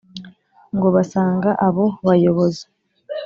ngo basanga abo bayobozi